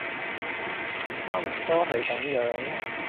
差唔多係噉樣